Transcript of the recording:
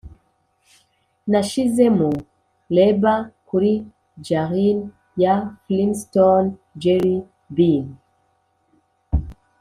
nashizemo label kuri jarine ya flintstone jelly bean